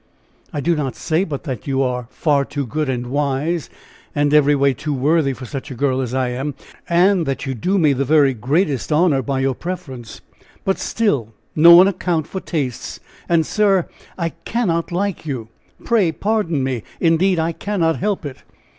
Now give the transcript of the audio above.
I do not say but that you are far too good and wise, and every way too worthy for such a girl as I am and that you do me the very greatest honor by your preference, but still no one can account for tastes and, sir, I cannot like you pray, pardon me! indeed, I cannot help it."